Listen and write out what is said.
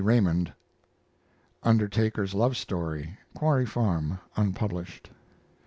Raymond. UNDERTAKER'S LOVE STORY (Quarry Farm) (unpublished).